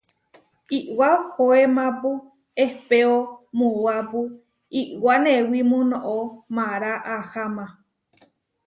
Iʼwá ohóemapu ehpéo muápu iʼwá newimú noʼó mára aháma.